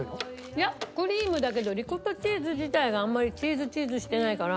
いやクリームだけどリコッタチーズ自体があんまりチーズチーズしてないから。